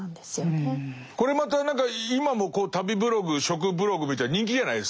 これまた何か今も旅ブログ食ブログみたいなの人気じゃないですか。